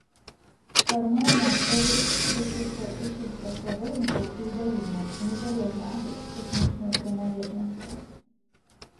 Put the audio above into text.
Фармальна эдыкт тычыўся ўсіх паслядоўнікаў іўдаізму, незалежна ад іх этнічнай прыналежнасці.